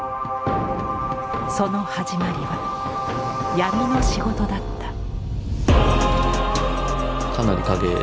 その始まりは闇の仕事だった。